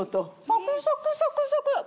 サクサクサクサク！